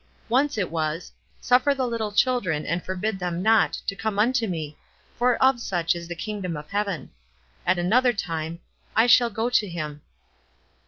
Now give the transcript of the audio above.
Once it was, "Sutler the little chil dren, and forbid them not, to come unto me, for of such is the kingdom of heaven." At another time, "I shall go to him."